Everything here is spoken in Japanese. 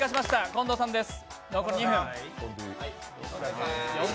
近藤さんです。